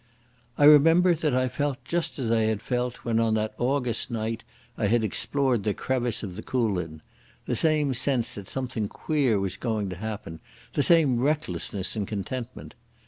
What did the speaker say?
I remember that I felt just as I had felt when on that August night I had explored the crevice of the Coolin—the same sense that something queer was going to happen, the same recklessness and contentment.